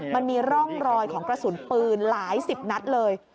มันมีร่องรอยของกระสุนปืนหลายสิบนัดเลย